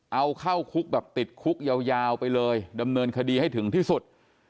เอาเข้าคุกแบบติดคุกยาวไปเลยดำเนินคดีให้ถึงที่สุด